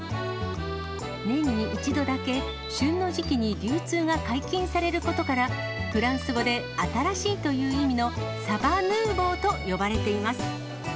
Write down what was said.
年に一度だけ、旬の時期に流通が解禁されることから、フランス語で新しいという意味のサバヌーヴォーと呼ばれています。